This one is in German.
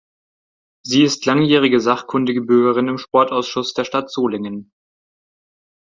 Sie ist langjährige sachkundige Bürgerin im Sportausschuss der Stadt Solingen.